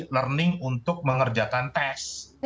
learning untuk mengerjakan tes